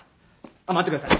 あっ待ってください。